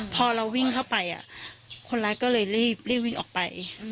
พอเราวิ่งเข้าไปคนร้ายก็เลยรีบวิ่งออกไป